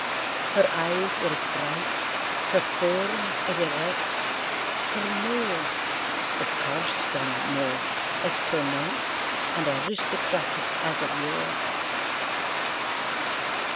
Her eyes were as bright, her form as erect, her nose—the Carston nose—as pronounced and aristocratic as of yore.